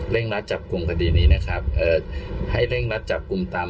รัดจับกลุ่มคดีนี้นะครับเอ่อให้เร่งรัดจับกลุ่มตาม